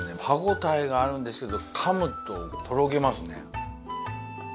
歯ごたえがあるんですけど噛むととろけますね。